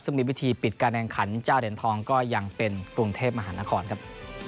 ซึ่งมีวิธีปิดการแข่งขันเจ้าเหรียญทองก็ยังเป็นกรุงเทพมหานครครับ